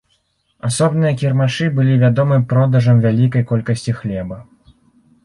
Асобныя кірмашы былі вядомы продажам вялікай колькасці хлеба.